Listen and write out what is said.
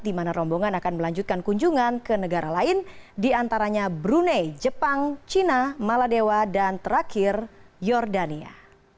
di mana rombongan akan melanjutkan kunjungan ke negara lain diantaranya brunei jepang china maladewa dan terakhir jordania